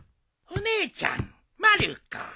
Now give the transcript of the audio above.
お姉ちゃんまる子。